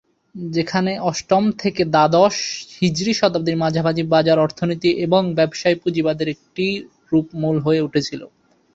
যেখানে অষ্টম থেকে দ্বাদশ হিজরী শতাব্দীর মাঝামাঝি বাজার অর্থনীতি এবং ব্যবসায়ী পুঁজিবাদের একটি রূপ মূল হয়ে উঠেছিল।